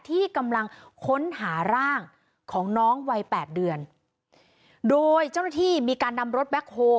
ที่กำลังค้นหาร่างของน้องวัยแปดเดือนโดยเจ้าหน้าที่มีการนำรถแบ็คโฮ